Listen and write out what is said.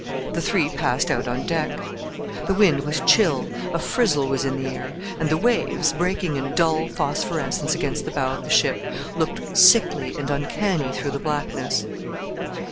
The three passed out on deck. The wind was chill, a frizzle was in the air, and the waves, breaking in dull phosphorescence against the bow of the ship, looked sickly and uncanny through the blackness.